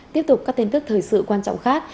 tiếp tục các tin tức thời sự quan trọng khác